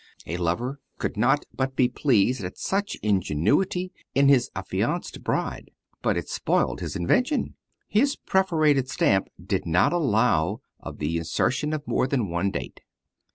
A lover could not but be pleased at such ingenuity in his affianced bride; but it spoiled his invention! His perforated stamp did not allow of the insertion of more than one date.